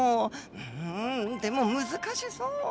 うんでも難しそう。